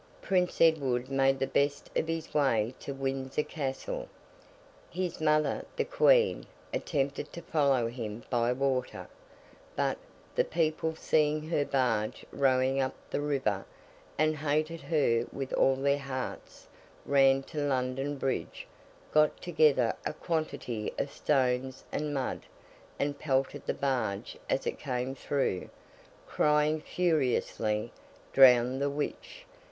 Prince Edward made the best of his way to Windsor Castle. His mother, the Queen, attempted to follow him by water; but, the people seeing her barge rowing up the river, and hating her with all their hearts, ran to London Bridge, got together a quantity of stones and mud, and pelted the barge as it came through, crying furiously, 'Drown the Witch!